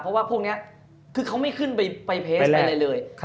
เพราะว่าพวกนี้คือเขาไม่ขึ้นไปเพจอะไรเลย